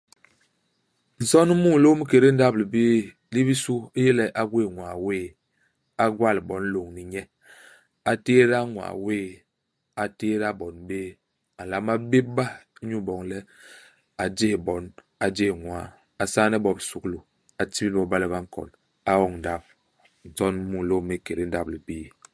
Nson u mulôm i kédé ndap-libii. Li bisu li yé le a gwés ñwaa wéé. A gwal bon lôñni nye. A tééda ñwaa wéé. A tééda bon béé. A nlama béb-ba inyu boñ le a jés bon, a jés ñwaa. A saane bo bisuglu. A tibil bo iba le ba nkon. A oñ ndap. Minson mi mulôm mi i kédé ndap-libii.